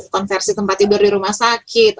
konversi tempat tidur di rumah sakit